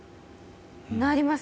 なります。